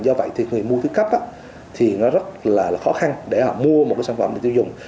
do vậy thì người mua thứ cấp thì nó rất là khó khăn để họ mua một sản phẩm để tiêu dùng